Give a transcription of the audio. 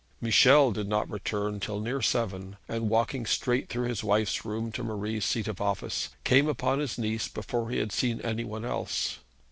Michel did not return till near seven, and walking straight through his wife's room to Marie's seat of office, came upon his niece before he had seen any one else.